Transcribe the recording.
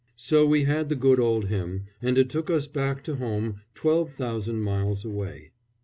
So we had the good old hymn, and it took us back to home twelve thousand miles away.